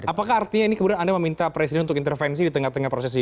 apakah artinya ini kemudian anda meminta presiden untuk intervensi di tengah tengah proses ini